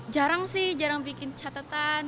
jarang sih jarang bikin catatan